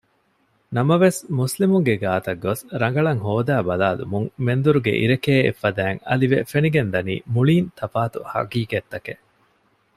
ނަމަވެސް މުސްލިމުންގެ ގާތަށްގޮސް ރަނގަޅަށް ހޯދައި ބަލައިލުމުން މެންދުރުގެ އިރެކޭ އެއްފަދައިން އަލިވެ ފެނިގެންދަނީ މުޅީން ތަފާތު ޙަޤީޤަތްތަކެއް